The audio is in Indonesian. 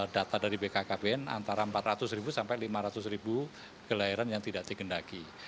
data dari bkkbn antara empat ratus sampai lima ratus kelahiran yang tidak digendaki